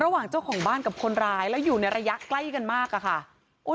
ระหว่างเจ้าของบ้านกับคนร้ายแล้วอยู่ในระยะใกล้กันมากอะค่ะ